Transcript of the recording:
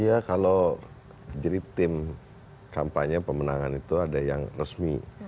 iya kalau jadi tim kampanye pemenangan itu ada yang resmi